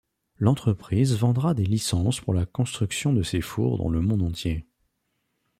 L’entreprise vendra des licences pour la construction de ces fours dans le monde entier.